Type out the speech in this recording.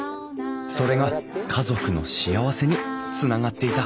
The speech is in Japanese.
それが家族の幸せにつながっていた